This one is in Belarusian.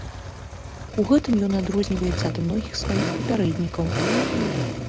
І гэтым ён адрозніваецца ад многіх сваіх папярэднікаў.